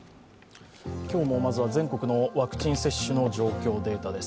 今日もまずは全国のワクチン接種の状況データです。